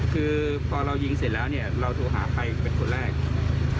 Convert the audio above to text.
คือพอเรายิงเสร็จแล้วเนี่ยเราโทรหาใครเป็นคนแรก